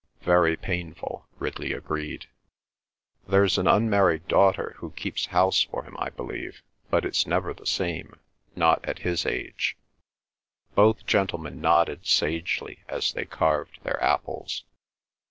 "Very painful," Ridley agreed. "There's an unmarried daughter who keeps house for him, I believe, but it's never the same, not at his age." Both gentlemen nodded sagely as they carved their apples.